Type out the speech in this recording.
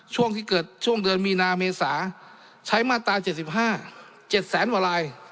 ช่วงที่เกิดช่วงเดือนมีนาเมษาใช้มาตราเจ็ดสิบห้าเจ็ดแสนวะลาย